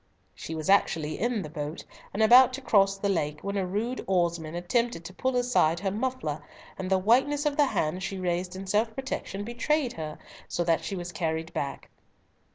She was actually in the boat, and about to cross the lake, when a rude oarsman attempted to pull aside her muffler, and the whiteness of the hand she raised in self protection betrayed her, so that she was carried back.